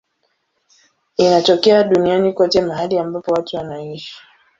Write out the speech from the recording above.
Inatokea duniani kote mahali ambapo watu wanaishi.